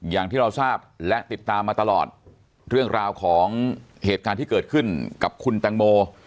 อย่างที่เราทราบและติดตามมาตลอดเรื่องราวของเหตุการณ์ที่เกิดขึ้นกับคุณแตงโม